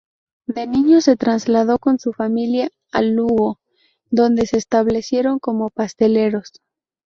De niño se trasladó con su familia a Lugo, donde se establecieron como pasteleros.